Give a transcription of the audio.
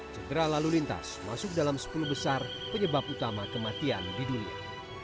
cedera lalu lintas masuk dalam sepuluh besar penyebab utama kematian di dunia